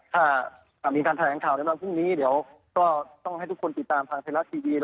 ถ้ามีการแถลงข่าวในวันพรุ่งนี้เดี๋ยวก็ต้องให้ทุกคนติดตามทางไทยรัฐทีวี